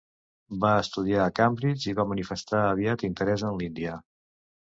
Va estudiar a Cambridge i va manifestar aviat interès en l'Índia.